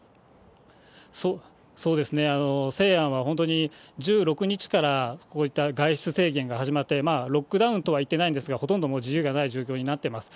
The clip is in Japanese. そうですね、西安は本当に１６日から、こういった外出制限が始まって、ロックダウンとは言ってないんですが、ほとんど自由がない状況になっています。